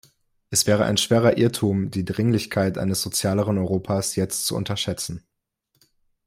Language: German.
Es wäre ein schwerer Irrtum, die Dringlichkeit eines sozialeren Europas jetzt zu unterschätzen.